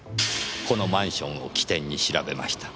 このマンションを起点に調べました。